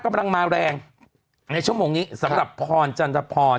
กำลังมาแรงในชั่วโมงนี้สำหรับพรจันทพร